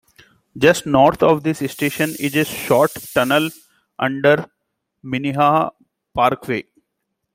Just north of this station is a short tunnel under Minnehaha Parkway.